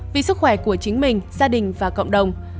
vì sức khỏe của chính mình gia đình và cộng đồng